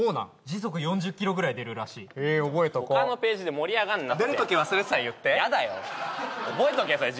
時速４０キロぐらい出るらしいへえ覚えとこう他のページで盛り上がんなって出るとき忘れてたら言って嫌だよ覚えとけそれ